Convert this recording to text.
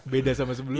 beda sama sebelumnya